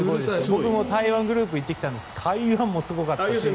僕台湾グループも行ってきたんですが台湾もうるさかったですし。